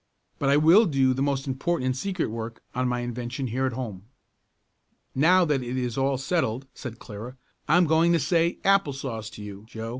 But I will do the most important and secret work on my invention here at home." "Now that it is all settled," said Clara, "I'm going to say 'apple sauce' to you, Joe.